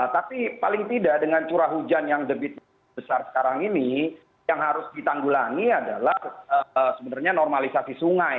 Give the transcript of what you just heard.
tapi paling tidak dengan curah hujan yang debit besar sekarang ini yang harus ditanggulangi adalah sebenarnya normalisasi sungai